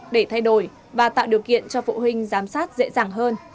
để thay đổi và tạo điều kiện cho phụ huynh giám sát dễ dàng hơn